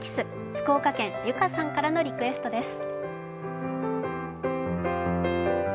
福岡県、ゆかさんからのリクエストです。